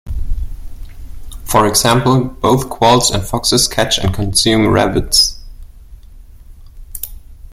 For example, both quolls and foxes catch and consume rabbits.